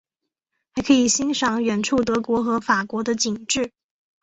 还可以欣赏到远处德国和法国的景致。